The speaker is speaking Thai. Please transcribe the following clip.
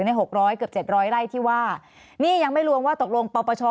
ใน๖๐๐เกือบ๗๐๐ไร่ที่ว่านี่ยังไม่รวมว่าตกลงปรปช